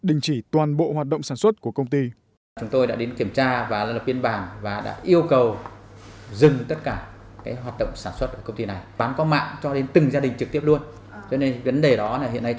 đình chỉ toàn bộ hoạt động sản xuất của công ty